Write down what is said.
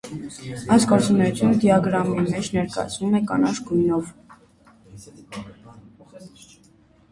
Այս գործունեությունը դիագրամի մեջ ներկայացվում է կանաչ գույնով։